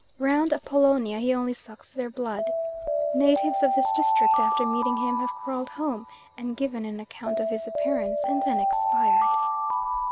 Round Apollonia he only sucks their blood. Natives of this district after meeting him have crawled home and given an account of his appearance, and then expired.